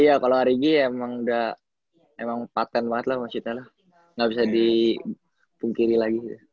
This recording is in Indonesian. iya kalau ariji emang patent banget lah mas cita lah nggak bisa dipungkiri lagi